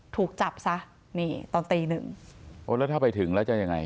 ถูกจับซะนี่ตอนตีหนึ่งโอ้แล้วถ้าไปถึงแล้วจะยังไง